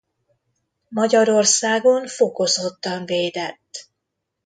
Magyarországon fokozottan védett.